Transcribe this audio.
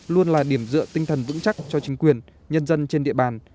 luôn là điểm dựa tinh thần vững chắc cho chính quyền nhân dân trên địa bàn